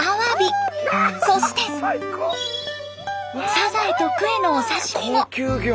サザエとクエのお刺身も。